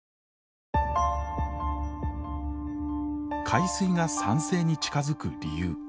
海水が酸性に近づく理由。